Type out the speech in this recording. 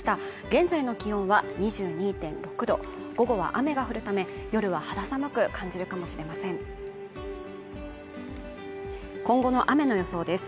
現在の気温は２２．６度午後は雨が降るため夜は肌寒く感じるかもしれません今後の雨の予想です